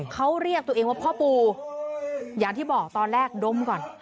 เขาเรียกตัวเองว่าพ่อปู่อย่างที่บอกตอนแรกดมก่อน